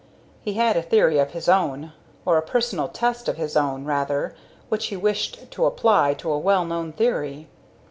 He had a theory of his own, or a personal test of his own, rather, which he wished to apply to a well known theory.